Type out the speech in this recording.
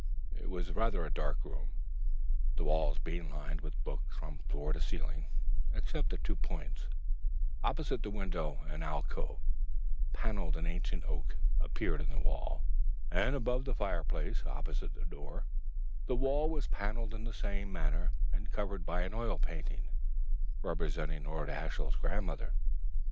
It was rather a dark room, the walls being lined with books from floor to ceiling, except at two points: opposite the window an alcove, panelled in ancient oak, appeared in the wall; and above the fireplace, opposite the door, the wall was panelled in the same manner and covered by an oil painting, representing Lord Ashiel's grandmother.